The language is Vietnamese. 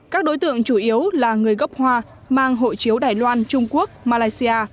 các đối tượng chủ yếu là người gốc hoa mang hộ chiếu đài loan trung quốc malaysia